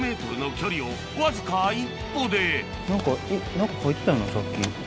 何か書いてたよなさっき。